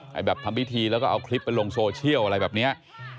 ให้แบบทำพิธีแล้วก็เอาคลิปไปลงโซเชียลอะไรแบบนี้